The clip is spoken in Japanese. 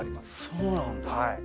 そうなんだ。